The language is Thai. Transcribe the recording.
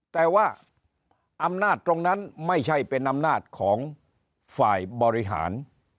แต่ว่าอำนาจตรงนั้นไม่ใช่เป็นอำนาจของฝ่ายบริหาร